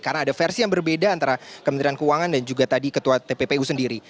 karena ada versi yang berbeda antara kementerian keuangan dan juga tadi ketua tppu sendiri